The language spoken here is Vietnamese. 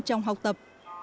trong học tập